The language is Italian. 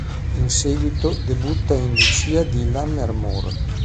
In seguito debutta in "Lucia di Lammermoor".